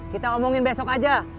kita omongin besok aja